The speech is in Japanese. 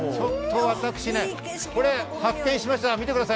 これを発見しました。